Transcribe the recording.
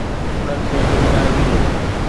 انهن کي وندرايو ويندو